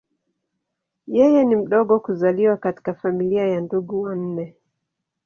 Yeye ni mdogo kuzaliwa katika familia ya ndugu wanne.